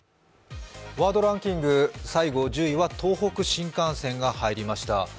ワードランキング、最後１０位は東北新幹線が入りました。